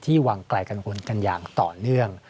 วางไกลกังวลกันอย่างต่อเนื่อง